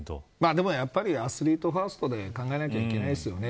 でも、やっぱりアスリートファーストで考えないといけないですよね。